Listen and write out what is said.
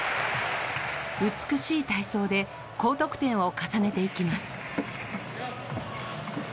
美しい体操で高得点を重ねていきます。